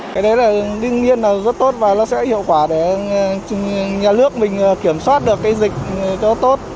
cái đấy là đương nhiên là rất tốt và nó sẽ hiệu quả để nhà nước mình kiểm soát được cái dịch cho nó tốt